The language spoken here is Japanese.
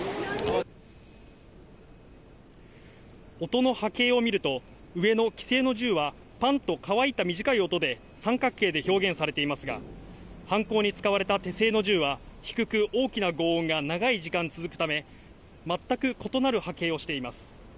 音の波形を見ると、上の既製の銃は、ぱんと乾いた短い音で、三角形で表現されていますが、犯行に使われた手製の銃は、低く大きなごう音が長い時間続くため、全く異なる波形をしています。